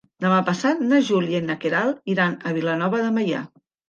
Demà passat na Júlia i na Queralt iran a Vilanova de Meià.